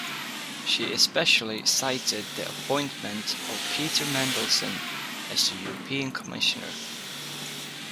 She especially cited the appointment of Peter Mandelson as a European Commissioner.